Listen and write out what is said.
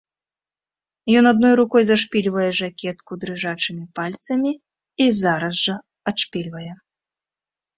Ён адной рукой зашпільвае жакетку дрыжачымі пальцамі і зараз жа адшпільвае.